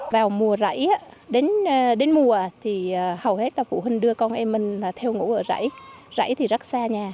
vào mùa rảy đến mùa thì hầu hết là phụ huynh đưa con em mình theo ngủ ở rảy rảy thì rất xa nhà